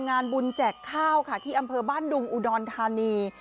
งานบุญแจกข้าวค่ะที่อำเภอบ้านดุงอุดรธานี